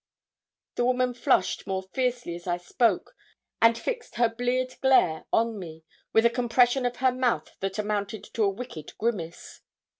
The old woman flushed more fiercely as I spoke, and fixed her bleared glare on me, with a compression of her mouth that amounted to a wicked grimace.